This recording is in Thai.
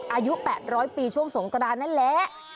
อายุ๘๐๐ปีช่วงสงกรานนั่นแหละ